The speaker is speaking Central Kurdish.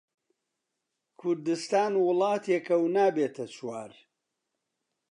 کوردستان وڵاتێکە و نابێتە چوار